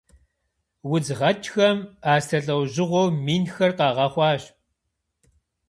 Удз гъэкӏхэм астрэ лӏэужьыгъуэу минхэр къагъэхъуащ.